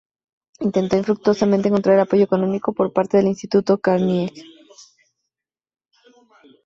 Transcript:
Intentó infructuosamente encontrar apoyo económico por parte del Instituto Carnegie.